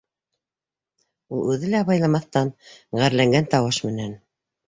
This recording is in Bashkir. Ул үҙе лә абайламаҫтан, ғәрләнгән тауыш менән: